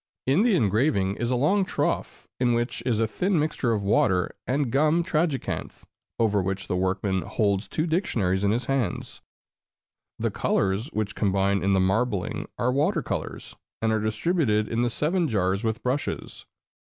In the engraving is a long trough, in which is a thin mixture of water and gum tragacanth, over which the workman holds two dictionaries in his hands. The colors which combine in the marbling are water colors, and are distributed in the seven jars with brushes.